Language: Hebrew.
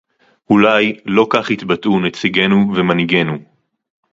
אולי לא כך התבטאו נציגינו ומנהיגינו